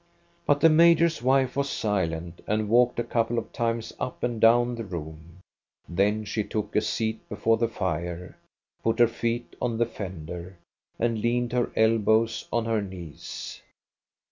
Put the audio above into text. But the major's wife was silent and walked a couple of times up and down the room ; then she took a seat before the fire, put her feet on the fender, and leaned her elbows on her knees.